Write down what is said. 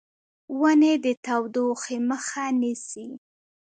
ونې د تودوخې مخه نیسي.